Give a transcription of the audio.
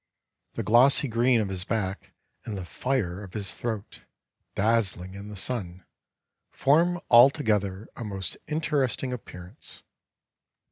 The glossy green of his back and the fire of his throat, dazzling in the sun, form altogether a most interesting appearance."